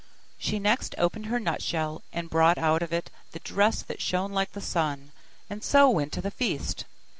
She next opened her nutshell, and brought out of it the dress that shone like the sun, and so went to the feast.